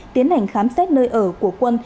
tiến hành khám xét nơi ở của quân